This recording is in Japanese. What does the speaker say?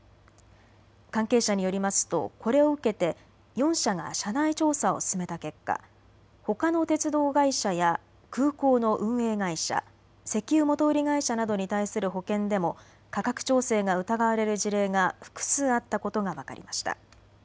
関係者によりますとこれを受けて４社が社内調査を進めた結果、ほかの鉄道会社や空港の運営会社、石油元売り会社などに対する保険でも価格調整が疑われる事例が複数あったことが分かりました。